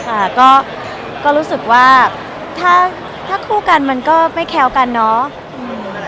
ค่ะก็รู้สึกว่าถ้าถ้าคู่กันมันก็ไม่แค้วกันเนาะ